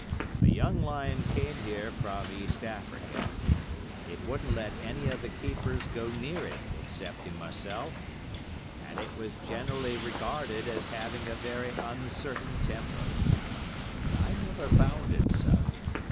A young lion came here from East Africa. It wouldn't let any of the keepers go near it excepting myself, and it was generally regarded as having a very uncertain temper. But I never found it so.